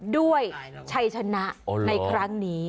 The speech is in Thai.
ด้วยชัยชนะในครั้งนี้